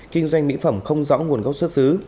kinh doanh mỹ phẩm không rõ nguồn gốc xuất xứ